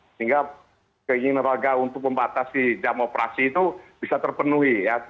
sehingga keinginan warga untuk membatasi jam operasi itu bisa terpenuhi ya